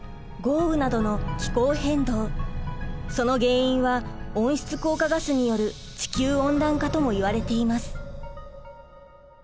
その原因は温室効果ガスによる地球温暖化ともいわれています。